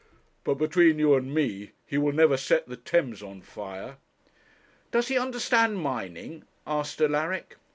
But between you and me, he will never set the Thames on fire.' 'Does he understand mining?' asked Alaric.